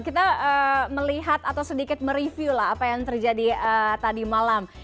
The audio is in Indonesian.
kita melihat atau sedikit mereview lah apa yang terjadi tadi malam